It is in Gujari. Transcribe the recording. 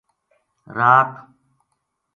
رات